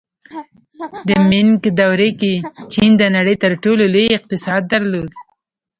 د مینګ دورې کې چین د نړۍ تر ټولو لوی اقتصاد درلود.